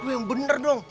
kak lu yang bener dong